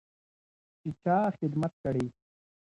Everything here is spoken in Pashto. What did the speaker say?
چې چا خدمت کړی.